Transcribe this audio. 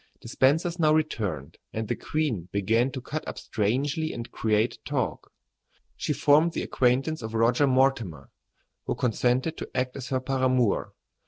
] The Spencers now returned, and the queen began to cut up strangely and create talk. She formed the acquaintance of Roger Mortimer, who consented to act as her paramour.